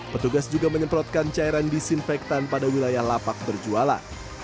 petugas juga menyemprotkan cairan disinfektan pada wilayah lapak berjualan